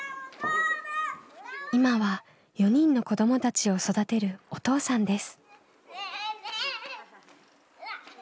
今は４人の子どもたちを育てるお父さんです。